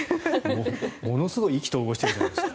ものすごい意気投合してるじゃないですか。